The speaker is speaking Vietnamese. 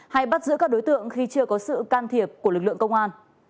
hay bắt giữ các đối tượng khi chưa có sự can thiệp của lực lượng công an